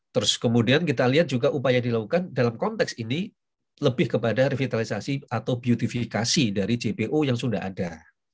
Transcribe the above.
terus kemudian kita lihat juga upaya dilakukan dalam konteks ini lebih kepada revitalisasi atau beautifikasi dari jpo yang sudah ada